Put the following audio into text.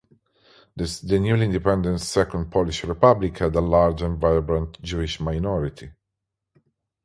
The newly independent Second Polish Republic had a large and vibrant Jewish minority.